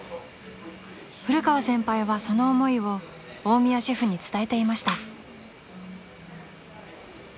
［古川先輩はその思いを大宮シェフに伝えていました］